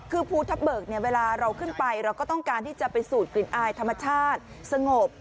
คือภูทับเบิกเนี่ยเวลาเราขึ้นไปเราก็ต้องการที่จะไปสูดกลิ่นอายธรรมชาติสงบ